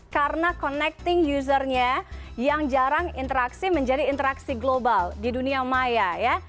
karena connecting usernya yang jarang interaksi menjadi interaksi global di dunia maya ya